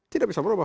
tidak bisa berubah